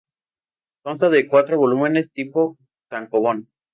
Consta de cuatro volúmenes tipo Tankōbon.